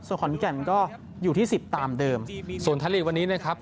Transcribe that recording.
ส่วนขอนแก่นก็อยู่ที่สิบตามเดิมส่วนไทยลีกวันนี้นะครับ